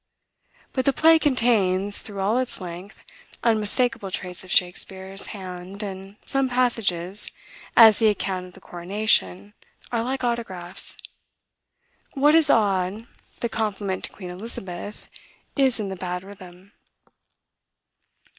But the play contains, through all its length, unmistakable traits of Shakspeare's hand, and some passages, as the account of the coronation, are like autographs. What is odd, the compliment to Queen Elizabeth is in the bad rhythm.